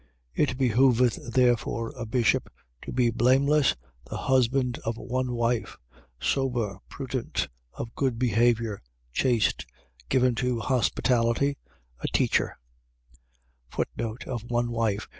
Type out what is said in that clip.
3:2. It behoveth therefore a bishop to be blameless, the husband of one wife, sober, prudent, of good behaviour, chaste, given to hospitality, a teacher, Of one wife.